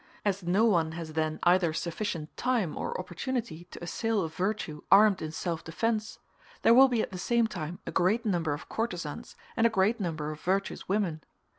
As no one has then either sufficient time or opportunity to assail a virtue armed in self defence, there will be at the same time a great number of courtesans and a great number of virtuous women.